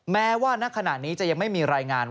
แม้ว่าณขณะนี้จะยังไม่มีรายงาน